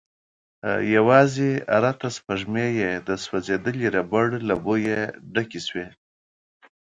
يواځې ارته سپږمې يې د سوځيدلې ربړ له بويه ډکې شوې.